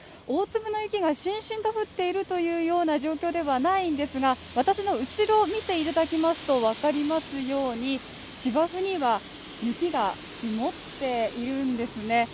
大粒な雪がしんしんと降っているというような状況ではないんですが私の後ろを見ていただきますと分かりますように芝生には雪が積もっているんですね。